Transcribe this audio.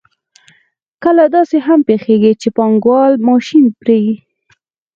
کله داسې هم پېښېږي چې پانګوال ماشین پېري